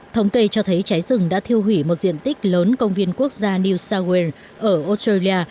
thống kê cho thấy cháy rừng đã thiêu hủy một diện tích lớn công viên quốc gia new south wales ở australia